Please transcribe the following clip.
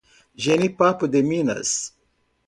Jenipapo de Minas